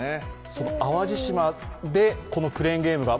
その淡路島で、このクレーンゲームが。